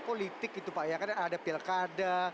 politik itu pak ya kan ada pilkada